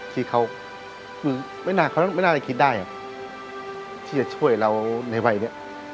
ที่เขาไม่น่าจะคิดได้ที่จะช่วยเราในวัยนี้